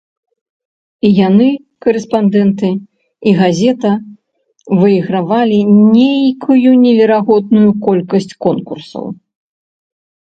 І яны, карэспандэнты, і газета, выйгравалі нейкую неверагодную колькасць конкурсаў.